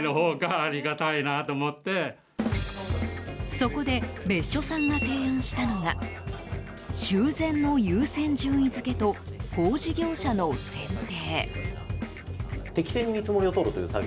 そこで別所さんが提案したのが修繕の優先順位付けと工事業者の選定。